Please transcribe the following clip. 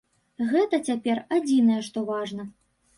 Гэта цяпер адзінае, што важна.